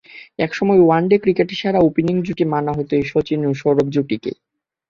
একসময় ওয়ানডে ক্রিকেটে সেরা ওপেনিং জুটি মানা হতো এই শচীন সৌরভ জুটিকেই।